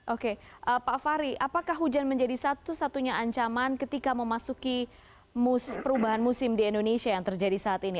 oke pak fahri apakah hujan menjadi satu satunya ancaman ketika memasuki perubahan musim di indonesia yang terjadi saat ini